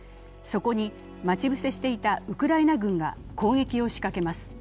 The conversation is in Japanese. そこに待ち伏せしていたウクライナ軍が攻撃を仕掛けます。